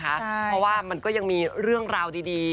เพราะว่ามันก็ยังมีเรื่องราวดี